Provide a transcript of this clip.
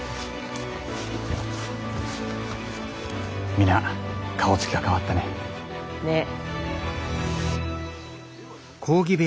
皆顔つきが変わったね。ねぇ。